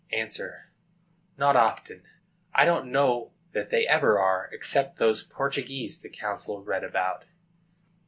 A. Not often. I don't know that they ever are, except those Portuguese the counsel read about.